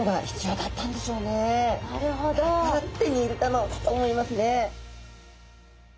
だから手に入れたのだと思いますね。